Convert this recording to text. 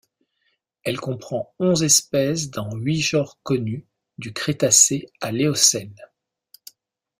Elle comprend onze espèces dans huit genres connus du Crétacé à l'Éocène.